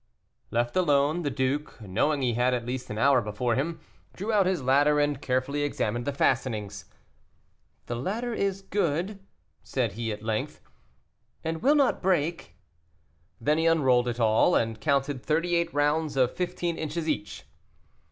Left alone, the duke, knowing he had at least an hour before him, drew out his ladder and carefully examined the fastenings. "The ladder is good," said he, at length, "and will not break." Then he unrolled it all, and counted thirty eight rounds of fifteen inches each.